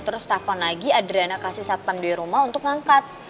terus safan lagi adriana kasih satpam di rumah untuk ngangkat